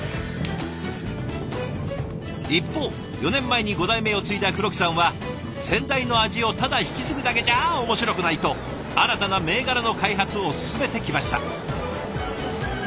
一方４年前に５代目を継いだ黒木さんは先代の味をただ引き継ぐだけじゃ面白くないと新たな銘柄の開発を進めてきました。